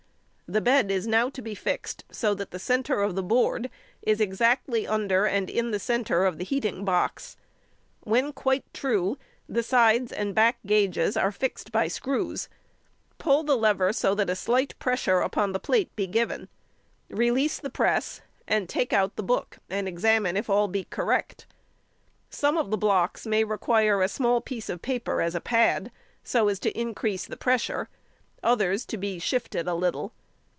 The bed is now to be fixed, so that the centre of the board is exactly under and in the centre of the heating box. When quite true, the sides and back gauges are fixed by screws. Pull the lever so that a slight pressure upon the plate be given: release |152| the press, and take out the book and examine if all be correct. Some of the blocks may require a small piece of paper as a pad, so as to increase the pressure, others to be shifted a little.